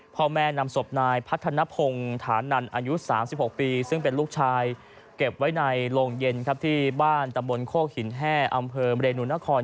พ่อแม่นำศพนายพัฒนภงฐานันอายุ๓๖ปีซึ่งเป็นลูกชายเก็บไว้ในโรงเย็นครับที่บ้านตำบลโคกหินแห้อำเภอเรนูนคร